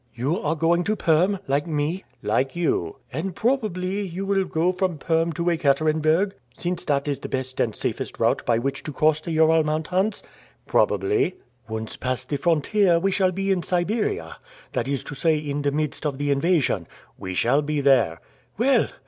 "You are going to Perm like me?" "Like you." "And probably you will go from Perm to Ekaterenburg, since that is the best and safest route by which to cross the Ural Mountains?" "Probably." "Once past the frontier, we shall be in Siberia, that is to say in the midst of the invasion." "We shall be there." "Well!